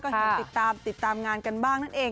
เห็นติดตามติดตามงานกันบ้างนั่นเอง